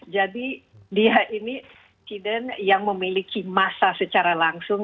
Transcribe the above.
jadi dia ini tidak memiliki masa secara langsung